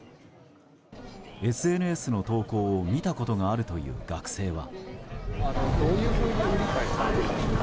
ＳＮＳの投稿を見たことがあるという学生は。